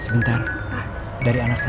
sebentar dari anak saya